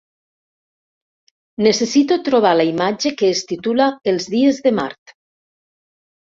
Necessito trobar la imatge que es titula Els dies de Mart.